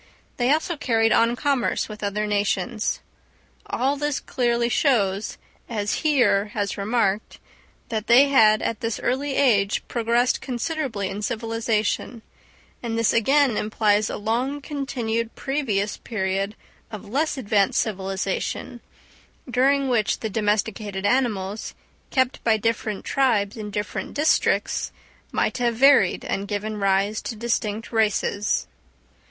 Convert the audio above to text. They also carried on commerce with other nations. All this clearly shows, as Heer has remarked, that they had at this early age progressed considerably in civilisation; and this again implies a long continued previous period of less advanced civilisation, during which the domesticated animals, kept by different tribes in different districts, might have varied and given rise to distinct races.